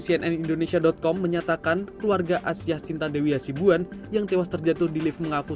cnn indonesia com menyatakan keluarga asyah sinta dewi hasibuan yang tewas terjatuh di lift mengaku